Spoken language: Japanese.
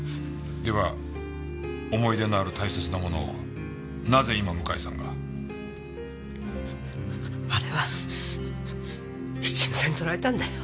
では思い出のある大切なものをなぜ今向井さんが？あれは質草に取られたんだよ。